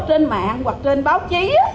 trên mạng hoặc trên báo chí á